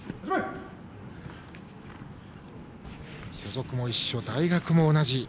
所属も一緒、大学も同じ。